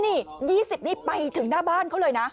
นี่๒๐นี่ไปถึงหน้าบ้านเขาเลยนะ